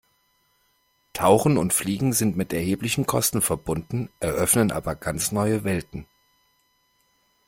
Tauchen und Fliegen sind mit erheblichen Kosten verbunden, eröffnen aber ganz neue Welten.